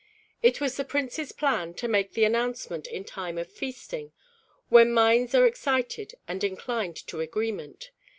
It was the prince's plan to make the announcement in time of feasting, when minds are excited and inclined to agreement.